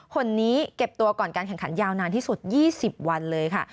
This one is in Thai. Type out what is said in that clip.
คนนี้เก็บตัวก่อนการแข่งขันยาวนานที่สุด๒๐วันเลยค่ะ